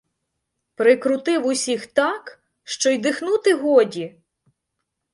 Прикрутив усіх так, що й дихнути годі!